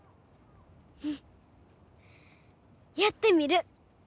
うんやってみる。